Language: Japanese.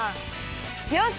よし！